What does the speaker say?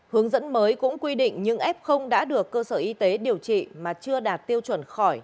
hướng dẫn mới cũng quy định nhưng f đã được cơ sở y tế điều trị mà chưa đạt tiêu chuẩn khỏi